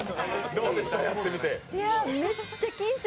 どうでした、やってみて？